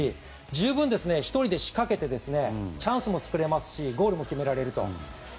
十分１人で仕掛けてチャンスも作れますしゴールも決められると。